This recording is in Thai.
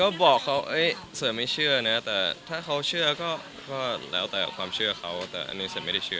เซอร์ก็บอกเขาเอ้ยเซอร์ไม่เชื่อนะครับแต่ถ้าเขาเชื่อก็แหล้วแต่ความเชื่อเขาแต่อันนึงแสดงไม่ได้เชื่อ